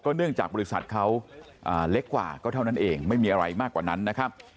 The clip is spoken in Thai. เนื่องจากบริษัทเขาเล็กกว่าก็เท่านั้นเองไม่มีอะไรมากกว่านั้นนะครับ